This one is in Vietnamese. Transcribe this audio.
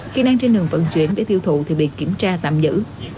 khi đang trên đường vận chuyển để tiêu thụ thì bị kiểm tra tạm giữ